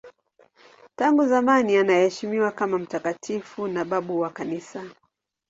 Tangu zamani anaheshimiwa kama mtakatifu na babu wa Kanisa.